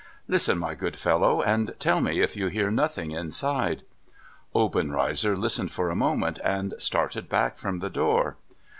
' Listen, my good fellow, and tell me if you hear nothing inside ?' Obenreizer listened for a moment, and started back from the door.